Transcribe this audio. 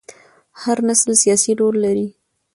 هر نسل سیاسي رول لري